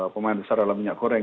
pemain besar adalah minyak goreng